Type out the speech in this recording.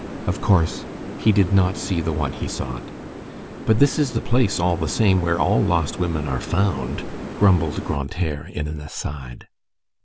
Of course he did not see the one he sought.—"But this is the place, all the same, where all lost women are found," grumbled Grantaire in an aside.